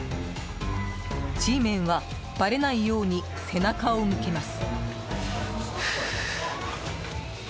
Ｇメンはばれないように背中を向けます。